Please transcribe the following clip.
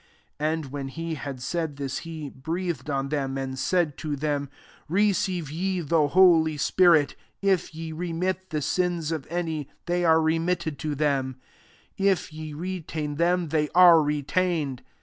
22 And when he had said this, he breathed on thenty and said to them, " Receive ye the holy spirit. 23 If ye remit the sins of any, they are remitted to them; if ye retain them, they are retained."